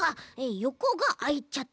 よこがあいちゃって。